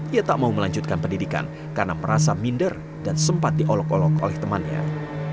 ia tak mau melanjutkan pendidikan karena merasa minder dan sempat diolok olok oleh temannya